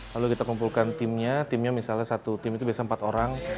lalu kita kumpulkan timnya timnya misalnya satu tim itu biasa empat orang